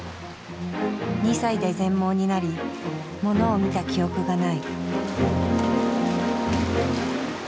２歳で全盲になりものを見た記憶がない。